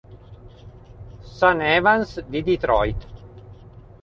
S. Evans di Detroit.